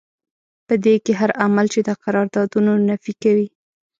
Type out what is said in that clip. په دې کې هر عمل چې د قراردادونو نفي کوي.